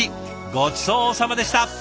ごちそうさまでした！